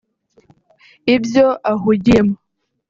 ibyo ahugiyemo